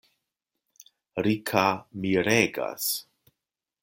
Rika miregas.